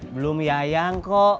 belum yayang kok